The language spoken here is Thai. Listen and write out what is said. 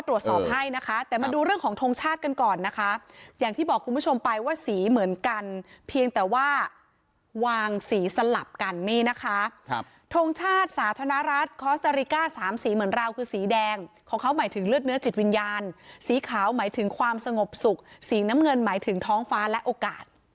ธนรัฐคอสเตอริกา๓สีเหมือนราวคือสีแดงของเขาหมายถึงเลือดเนื้อจิตวิญญาณสีขาวหมายถึงความสงบสุขสีน้ำเงินหมายถึงท้องฟ้าและโอกาส